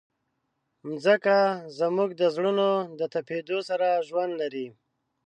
مځکه زموږ د زړونو د تپېدو سره ژوند لري.